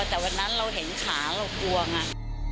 แต่วันนั้นเราเห็นขาเรากลัวไง